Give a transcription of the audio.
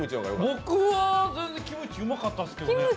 僕は全然、キムチうまかったんですけどね。